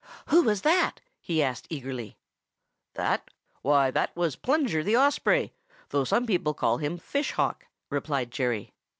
"Who was that?" he asked eagerly. "That? Why, that was Plunger the Osprey, though some people call him Fish Hawk," replied Jerry.